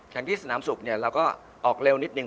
แข่งที่สนามสุขเนี่ยเราก็ออกเร็วนิดนึง